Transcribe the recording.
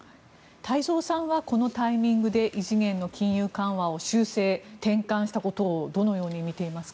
太蔵さんはこのタイミングで異次元の金融緩和を修正、転換したことをどのように見ていますか。